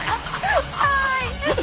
はい！